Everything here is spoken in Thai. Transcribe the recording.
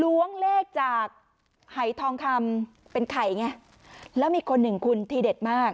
ล้วงเลขจากหายทองคำเป็นไข่ไงแล้วมีคนหนึ่งคุณทีเด็ดมาก